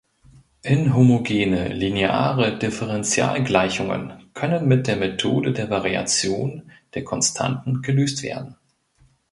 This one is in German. Inhomogene lineare Differentialgleichungen können mit der Methode der Variation der Konstanten gelöst werden.